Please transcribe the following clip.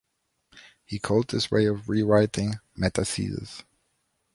He called this way of re-writing "metathesis".